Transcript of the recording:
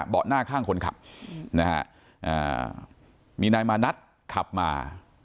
หน้าข้างคนขับนะฮะมีนายมานัดขับมา